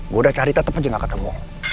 gue udah cari tetep aja gak ketemu